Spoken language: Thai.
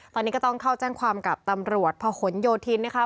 ตอนนี้ก็ต้องเข้าแจ้งความกับตำรวจพหนโยธินนะคะ